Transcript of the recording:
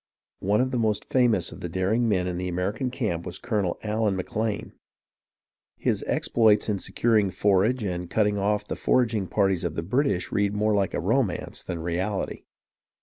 One of the most famous of the daring men in the American camp was Colonel Allen McLane. His exploits in securing forage and cutting off the foraging parties of the British read more like a romance than reality.